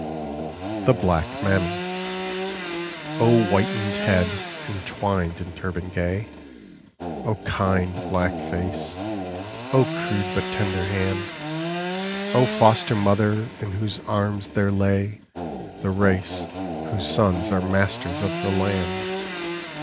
THE BLACK MAMMY O whitened head entwined in turban gay, O kind black face, O crude, but tender hand, O foster mother in whose arms there lay The race whose sons are masters of the land!